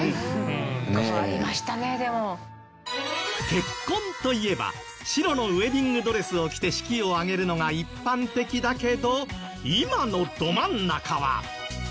結婚といえば白のウェディングドレスを着て式を挙げるのが一般的だけど今のど真ん中は。